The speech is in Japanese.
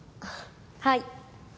はい